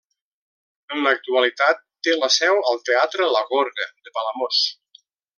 En l'actualitat té la seu al teatre la Gorga de Palamós.